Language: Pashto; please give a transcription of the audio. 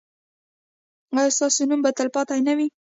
ایا ستاسو نوم به تلپاتې نه وي؟